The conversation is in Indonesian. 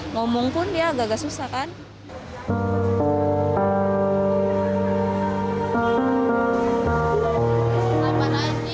ngomong pun dia agak agak susah kan